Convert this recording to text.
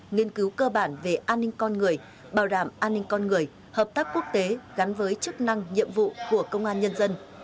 nghiên cứu cơ bản về an ninh con người bảo đảm an ninh con người hợp tác quốc tế gắn với chức năng nhiệm vụ của công an nhân dân